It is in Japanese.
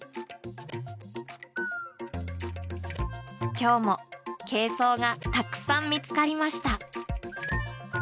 今日もケイソウがたくさん見つかりました。